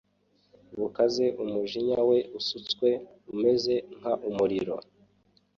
bukaze Umujinya we usutswe umeze nk umuriro